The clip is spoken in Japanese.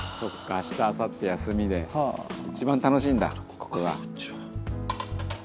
明日あさって休みで一番楽しいんだここが」